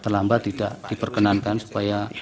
terlambat tidak diperkenankan supaya